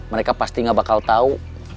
mereka pasti gak bakal tahu